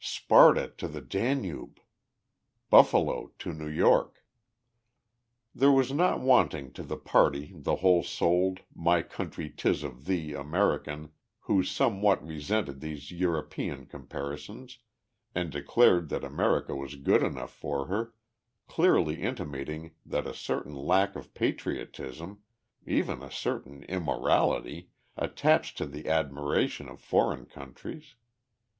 Sparta to the Danube! Buffalo to New York!" There was not wanting to the party the whole souled, my country 'tis of thee American, who somewhat resented these European comparisons, and declared that America was good enough for her, clearly intimating that a certain lack of patriotism, even a certain immorality, attached to the admiration of foreign countries.